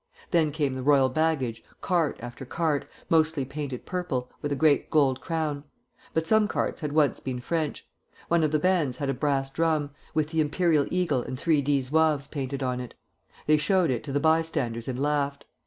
Then came the royal baggage, cart after cart, mostly painted purple, with a great gold crown; but some carts had once been French. One of the bands had a brass drum, with the imperial eagle and 3d Zouaves painted on it. They showed it to the bystanders and laughed.